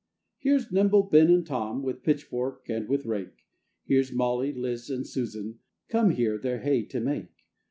Here's nimble Ben and Tom, With pitchfork, and with rake; Here's Molly, Liz, and Susan, Come here their hay to make.